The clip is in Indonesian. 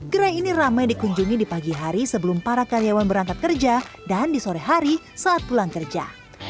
gerai ini ramai dikunjungi di pagi hari sebelum para karyawan berangkat kerja dan di sore hari saat pulang kerja